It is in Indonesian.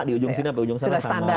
di ujung sini atau ujung sana sama